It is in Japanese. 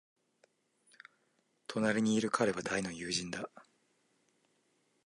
隣にいる彼は大の友人だ。